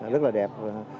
rất là đẹp